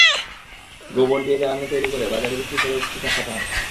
গোবর দিয়ে জ্বালানি তৈরি করে বাজারে বিক্রি করেও কিছু টাকা পান।